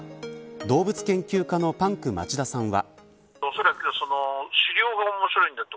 動物研究家のパンク町田さんは。